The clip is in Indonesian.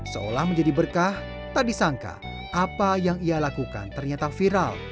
seolah menjadi berkah tak disangka apa yang ia lakukan ternyata viral